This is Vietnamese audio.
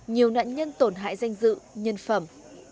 nhiều nạn nhân tổn hại danh dự nhân phẩm